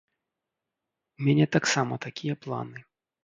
У мяне таксама такія планы.